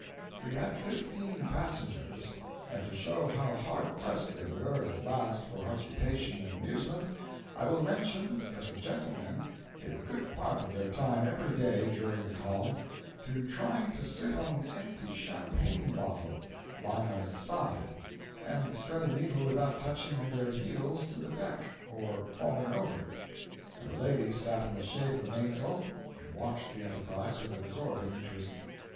559.jpg (91K) We had fifteen passengers, and to show how hard pressed they were at last for occupation and amusement, I will mention that the gentlemen gave a good part of their time every day, during the calm, to trying to sit on an empty champagne bottle (lying on its side), and thread a needle without touching their heels to the deck, or falling over; and the ladies sat in the shade of the mainsail, and watched the enterprise with absorbing interest.